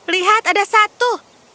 lihat ada satu